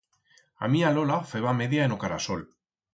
A mía lola feba media en o carasol.